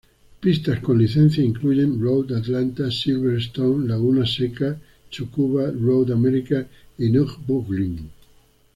Pistas con licencia incluyen Road Atlanta, Silverstone, Laguna Seca, Tsukuba, Road America, y Nürburgring.